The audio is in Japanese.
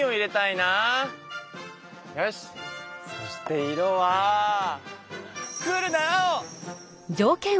そして色はクールな青！